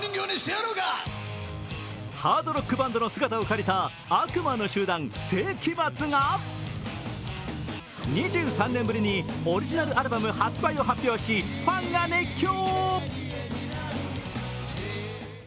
ハードロックバンドの姿を借りた悪魔の集団、聖飢魔Ⅱが２３年ぶりにオリジナルアルバム発売を発表しファンが熱狂。